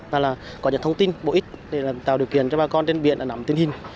là là có những thông tin bổ ích để tạo điều kiện cho bà con trên biển ở nằm tiên hình